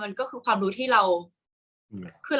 กากตัวทำอะไรบ้างอยู่ตรงนี้คนเดียว